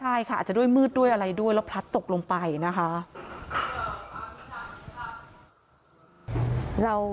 ใช่ค่ะอาจจะด้วยมืดด้วยอะไรด้วยแล้วพลัดตกลงไปนะคะ